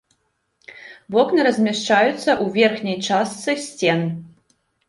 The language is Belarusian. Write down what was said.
Вокны размяшчаюцца ў верхняй частцы сцен.